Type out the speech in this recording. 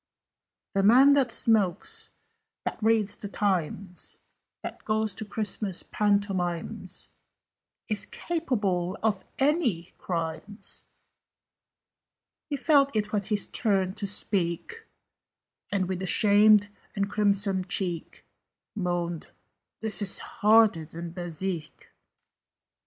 "The man that smokes that reads the Times That goes to Christmas Pantomimes Is capable of any crimes!" He felt it was his turn to speak, And, with a shamed and crimson cheek, Moaned "This is harder than Bezique!"